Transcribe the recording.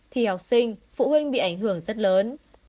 thì học sinh phụ huynh bị ảnh hưởng rất lớn